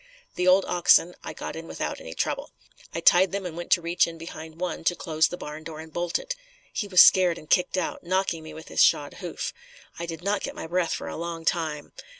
The old oxen, I got in without any trouble. I tied them and went to reach in behind one, to close the barn door and bolt it. He was scared and kicked out, knocking me with his shod hoof. I did not get my breath for a long time.